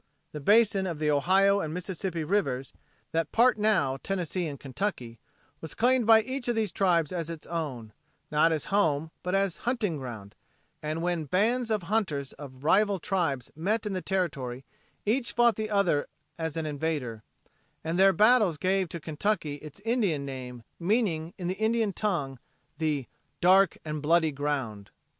The basin of the Ohio and Mississippi rivers, that part now Tennessee and Kentucky, was claimed by each of these tribes as its own, not as home but as a hunting ground, and when bands of hunters of rival tribes met in the territory each fought the other as an invader, and their battles gave to Kentucky its Indian name, meaning in the Indian tongue the "Dark and Bloody Ground."